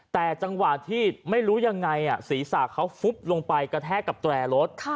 แต่จังหวะที่ไม่รู้ยังไงศีรษะเขาฟุบลงไปกระแทกกับแตรรถ